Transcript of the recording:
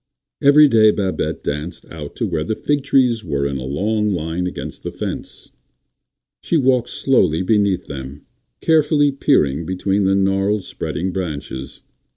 Every day Babette danced out to where the fig trees were in a long line against the fence. She walked slowly beneath them, carefully peering between the gnarled, spreading branches.